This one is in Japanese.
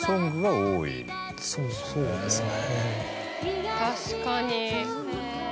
そうですね。